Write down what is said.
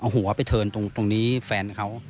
หัวไปเทินตรงนี้แฟนเขา